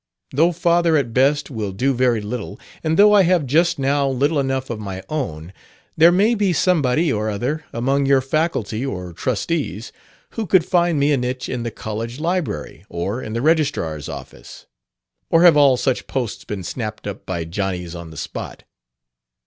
"Though father, at best, will do very little, and though I have just now little enough of my own, there may be somebody or other among your faculty or trustees who could find me a niche in the college library or in the registrar's office. Or have all such posts been snapped up by Johnnys on the spot?